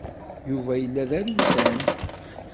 Yuba yella d arusan.